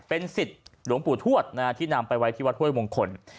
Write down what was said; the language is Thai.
เป็นสิทธิ์หลวงปู่ทวดที่นำไปไว้ที่วัดห้วยมงคล